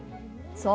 そう。